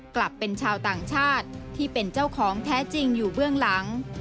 กลับเป็นชาวต่างชาติที่เป็นเจ้าของแท้จริงอยู่เบื้องหลัง